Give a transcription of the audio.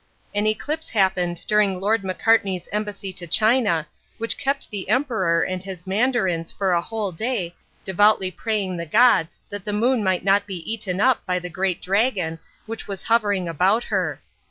An eclipse happened during Lord Macartney's embassy to China which kept the Emperor and his Mandarins for a whole day devoutly praying the gods that the Moon might not be eaten up by the great dragon which was hovering about her.